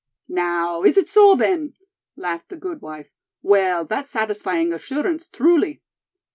"Now, is it so, then?" laughed the gude wife. "Well, that's satisfying assurance, truly."